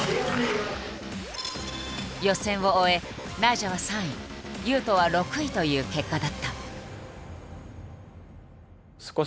予選を終えナイジャは３位雄斗は６位という結果だった。